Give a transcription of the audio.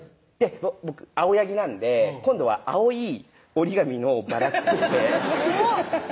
僕青なんで今度は青い折り紙のバラ作っておぉっ